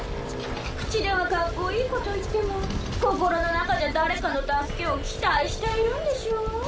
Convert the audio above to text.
口ではかっこいいこと言っても心の中じゃ誰かの助けを期待しているんでしょう？